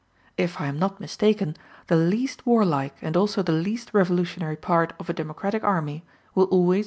If I am not mistaken, the least warlike, and also the least revolutionary part, of a democratic army, will always be its chief commanders.